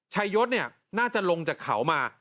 ชายศเนี่ยน่าจะลงจากเขามา